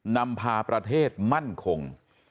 นำพาประเทศมั่นคง